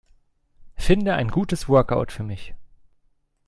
Finde ein gutes Workout für mich.